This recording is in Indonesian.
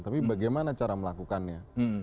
tapi bagaimana cara melakukannya